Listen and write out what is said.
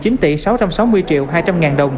dành tặng cho người đi tàu xe